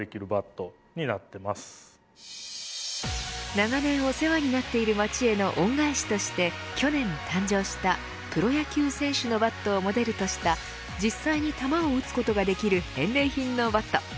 長年お世話になっている町への恩返しとして去年誕生したプロ野球選手のバットをモデルとした実際に球を打つことができる返礼品のバット。